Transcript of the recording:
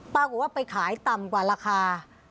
ปรากฏว่าไปขายต่ำกว่าราคา